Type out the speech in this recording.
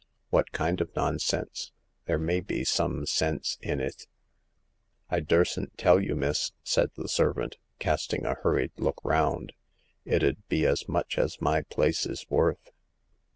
What kind of nonsense ? There may be some sense in it ?"" I dursn't tell you, miss," said the servant, casting a hurried look round, it 'ud be as much as my place is worth."